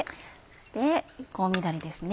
で香味だれですね。